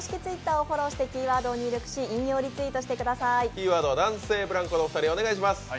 キーワードは男性ブランコのお二人、お願いします。